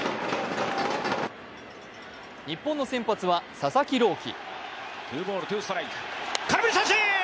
日本の先発は佐々木朗希。